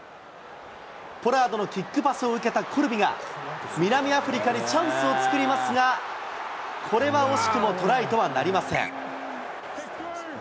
ポラードのキックパスを受けたコルビが、南アフリカにチャンスを作りますが、これは惜しくもトライとはなりません。